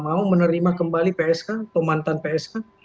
mau menerima kembali psk atau mantan psk